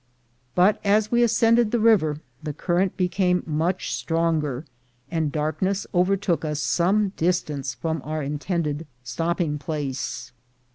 But as we ascended the river the current became much stronger, and darkness overtook us some distance from our intended stopping place.